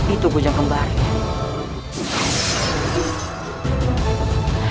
itu kujang kembarnya